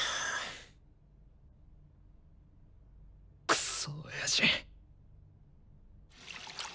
クソ親父。